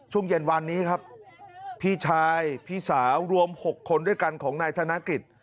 ช่วงเย็นวันนี้ครับพี่ชายพี่สาวรวม๖คนด้วยกันของนายธนกฤษ